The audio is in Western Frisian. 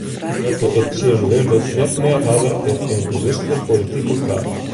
Dat we it tsjintwurdich net mear hawwe, is in bewuste politike kar.